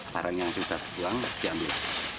para yang sudah pulang diambil